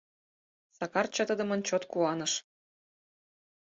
Сакар чытыдымын чот куаныш.